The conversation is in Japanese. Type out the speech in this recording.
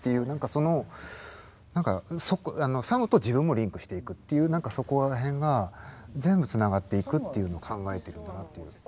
何かそのサムと自分もリンクしていくっていう何かそこら辺が全部繋がっていくっていうのを考えてるんだなっていう。